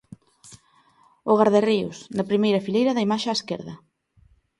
O Gardarríos, na primeira fileira da imaxe á esquerda.